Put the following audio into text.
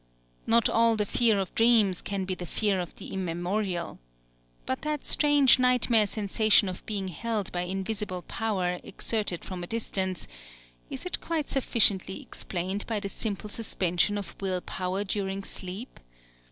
Not all the fear of dreams can be the fear of the immemorial. But that strange nightmare sensation of being held by invisible power exerted from a distance is it quite sufficiently explained by the simple suspension of will power during sleep?